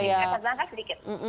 iya di casablanca sedikit